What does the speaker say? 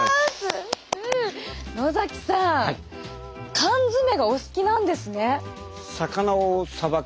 野さん缶詰がお好きなんですね？